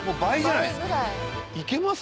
いけます？